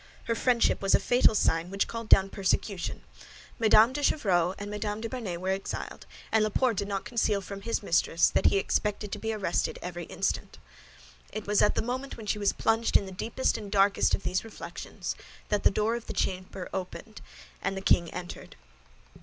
Her friendship was a fatal sign which called down persecution. Mme. de Chevreuse and Mme. de Bernet were exiled, and Laporte did not conceal from his mistress that he expected to be arrested every instant. It was at the moment when she was plunged in the deepest and darkest of these reflections that the door of the chamber opened, and the king entered.